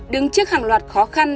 đứng trước hàng loạt khó khăn